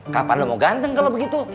kapan lu mau ganten kalo begitu